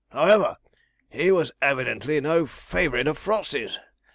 However, he was evidently no favourite of Frosty's.